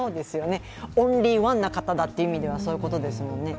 オンリーワンの方だというのはそういうことですよね。